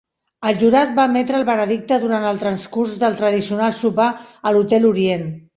El jurat va emetre el veredicte durant el transcurs del tradicional sopar a l'Hotel Orient.